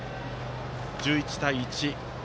１１対１。